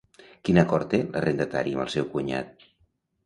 Quin acord té l'arrendatari amb el seu cunyat?